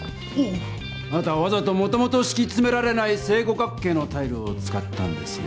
あなたはわざともともとしきつめられない正五角形のタイルを使ったんですね。